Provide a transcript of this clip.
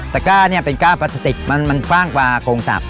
ตะกร้าเป็นกร้าพลาสติกมันฟ่างกว่าโกงสับ